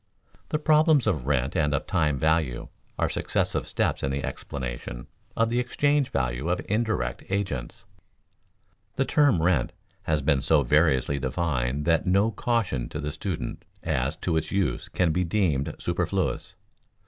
The problems of rent and of time value are successive steps in the explanation of the exchange value of indirect agents. The term rent has been so variously defined that no caution to the student as to its use can be deemed superfluous.